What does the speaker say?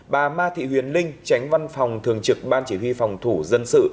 bà ma thị huyền linh tránh văn phòng thường trực ban chỉ huy phòng thủ dân sự